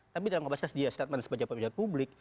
tapi dalam kapasitas dia statement sebagai pejabat publik